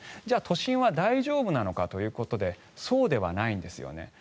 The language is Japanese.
じゃあ都心は大丈夫なのかということでそうではないんですよね。